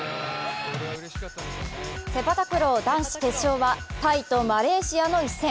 セパタクロー男子決勝はタイとマレーシアの一戦。